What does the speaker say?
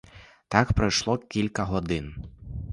Так пройшло кілька годин.